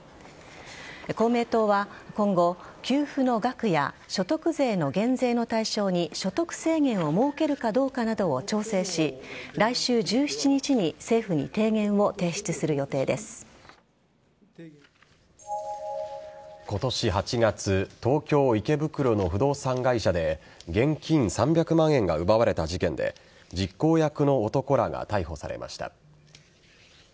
公明党は今後給付の額や所得税の減税の対象に所得制限を設けるかどうかなどを調整し来週１７日に今年８月東京・池袋の不動産会社で現金３００万円が奪われた事件で実行役の男らが逮捕されました。